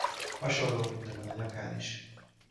Hasonló minta van a nyakán is.